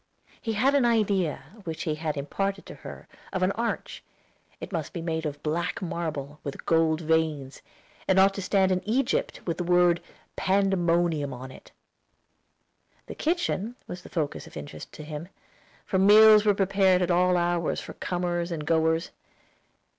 He had an idea, which he had imparted to her, of an arch; it must be made of black marble, with gold veins, and ought to stand in Egypt, with the word "Pandemonium" on it. The kitchen was the focus of interest to him, for meals were prepared at all hours for comers and goers.